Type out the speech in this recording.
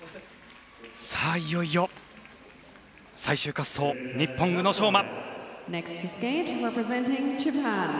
いよいよ最終滑走日本、宇野昌磨。